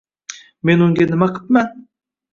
Men unga nima qipman